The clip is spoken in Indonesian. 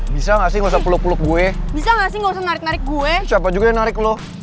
bisa ngasih usah puluk puluk gue bisa ngasih nggak senang senang gue siapa juga yang narik